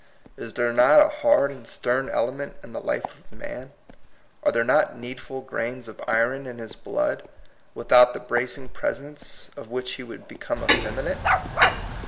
Is there not a hard and stem ele ment in the life of man ? Are there not needful grains of iron in his blood, without the bracing presence of which he would become effeminate?